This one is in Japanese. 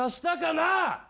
なあ！